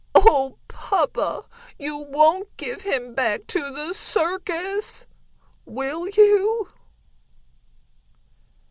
Oh, papa you won't give him back to the circus; will you?"